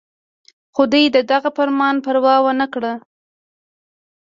خو دوي د دغه فرمان پروا اونکړه